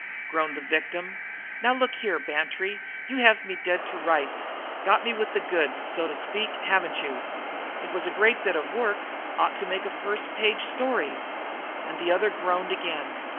groaned the victim. "Now look here, Bantry, you have me dead to rights got me with the goods, so to speak, haven't you?" "It was a great bit of work; ought to make a first page story." And the other groaned again.